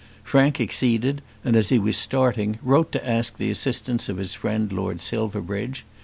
Frank acceded, and as he was starting wrote to ask the assistance of his friend Lord Silverbridge.